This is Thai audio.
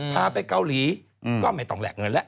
พาไปเกาหลีก็ไม่ต้องแลกเงินแล้ว